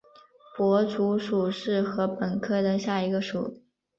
薄竹属是禾本科下的一个属。